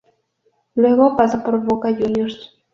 Luego pasó por Boca Juniors.